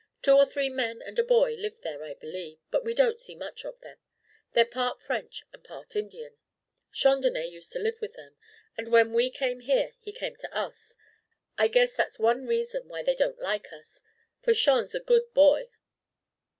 Two or three men and a boy live there, I believe, but we don't see much of them. They're part French and part Indian. Chandonnais used to live with them, and when we came here, he came to us. I guess that's one reason why they don't like us, for Chan's a good boy."